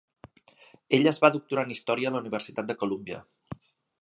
Ell es va doctorar en història a la Universitat de Columbia.